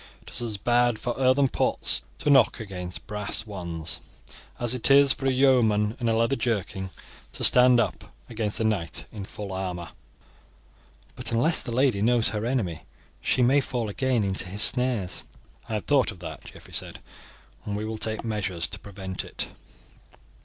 It is as bad for earthen pots to knock against brass ones, as it is for a yeoman in a leathern jerkin to stand up against a knight in full armour. "But unless the lady knows her enemy she may fall again into his snares. "I have thought of that," Geoffrey said, "and we will take measures to prevent it."